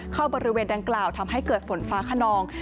บริเวณดังกล่าวทำให้เกิดฝนฟ้าขนอง